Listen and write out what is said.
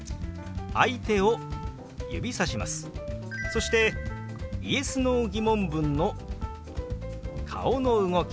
そしてＹｅｓ／Ｎｏー疑問文の顔の動き